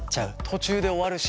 途中で終わるし。